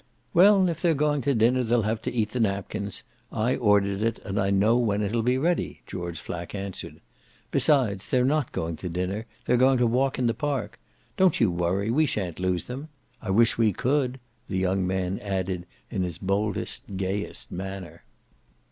"Well, if they're going to dinner they'll have to eat the napkins. I ordered it and I know when it'll be ready," George Flack answered. "Besides, they're not going to dinner, they're going to walk in the park. Don't you worry, we shan't lose them. I wish we could!" the young man added in his boldest gayest manner.